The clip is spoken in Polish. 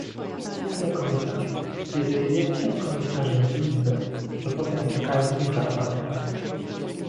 Panie komisarzu, kiedy jest się komisarzem z Litwy, to potem czekają duże awanse